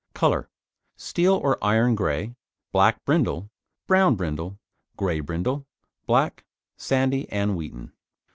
COLOUR Steel or iron grey, black brindle, brown brindle, grey brindle, black, sandy and wheaten.